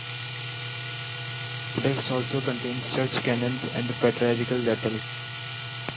The codex also contains church canons and patriarchal letters.